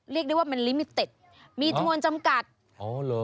เรียกได้ว่ามันลิมิเต็ดมีจำนวนจำกัดอ๋อเหรอ